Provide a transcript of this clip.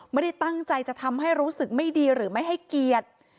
ไม่ได้ตั้งใจจะทำให้รู้สึกไม่ดีหรือไม่ให้เกียรติ